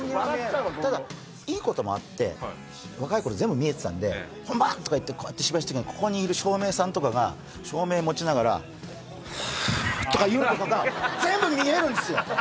ただいいこともあって若い頃全部見えてたんで「本番！」とか言ってこう芝居してる時にここにいる照明さんとかが照明持ちながら「はあ」とか言うのとかが全部見えるんですよ